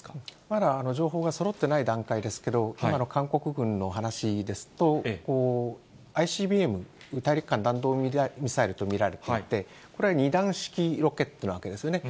まだ情報がそろってない段階ですけど、今の韓国軍の話ですと、ＩＣＢＭ・大陸間弾道ミサイルと見られていて、これは２段式ロケットなわけですね。